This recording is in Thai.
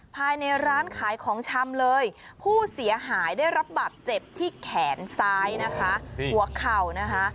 ภายในร้านขายของชำเลยผู้เสียหายได้รับบาดเจ็บที่แขนซ้ายนะคะหัวเข่านะคะ